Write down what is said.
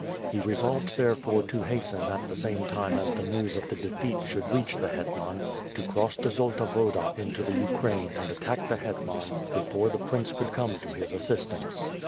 He resolved therefore to hasten at the same time as the news of the defeat should reach the hetman, to cross the Zolta Woda into the Ukraine and attack the hetman before the prince could come to his assistance.